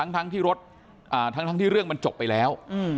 ทั้งที่เรื่องมันจบไปแล้ว